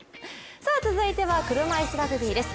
続いては車いすラグビーです。